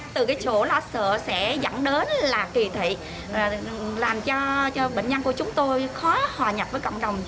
từ cái chỗ lo sợ sẽ dẫn đến là kỳ thị làm cho bệnh nhân của chúng tôi khó hòa nhập với cộng đồng